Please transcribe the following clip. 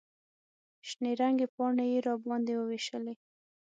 شنې رنګې پاڼې یې راباندې ووېشلې.